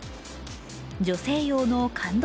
女性用の感動